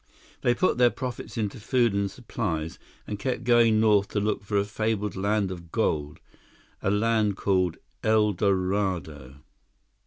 They put their profits into food and supplies and kept going north to look for a fabled land of gold—a land called El Dorado."